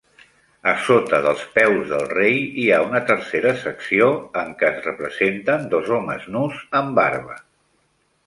A sota dels peus del rei hi ha una tercera secció, en què es representen dos homes nus amb barba.